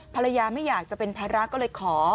ภรรยาไม่อยากจะเป็นภาระก็เลยขอ